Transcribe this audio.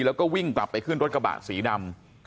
แล้วก็วิ่งกลับไปขึ้นรถกระบะสีดำ